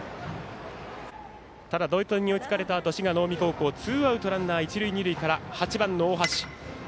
ただ同点に追いつかれたあと滋賀の近江高校、ツーアウトランナー、一塁二塁から８番の大橋。